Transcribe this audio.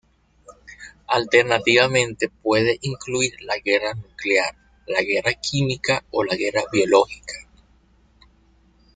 Alternativamente puede incluir la guerra nuclear, la guerra química o la guerra biológica.